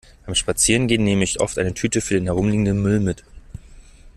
Beim Spazierengehen nehme ich oft eine Tüte für den herumliegenden Müll mit.